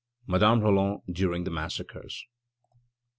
MADAME ROLAND DURING THE MASSACRES.